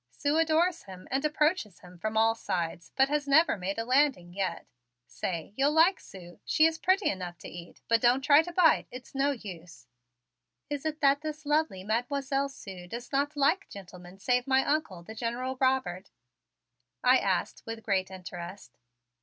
Sue adores him and approaches him from all sides, but has never made a landing yet. Say, you'll like Sue. She is pretty enough to eat, but don't try to bite. It's no use." "Is it that this lovely Mademoiselle Sue does not like gentlemen save my Uncle, the General Robert?" I asked with great interest.